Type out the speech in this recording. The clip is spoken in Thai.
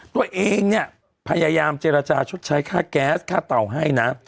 ตัวเองเนี่ยพยายามเจรจาชดใช้ค่าแก๊สค่าเต่าให้นะ